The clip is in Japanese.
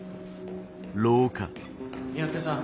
三宅さん。